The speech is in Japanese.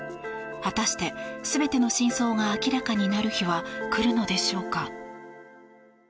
果たして全ての真相が明らかになる日は来るのでしょうか。